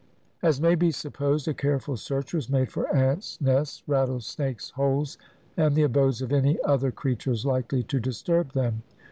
As may be supposed, a careful search was made for ants' nests, rattle snakes' holes, and the abodes of any other creatures likely to disturb them.